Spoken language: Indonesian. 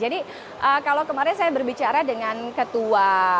jadi kalau kemarin saya berbicara dengan ketua wisata